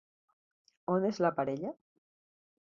On és la parella?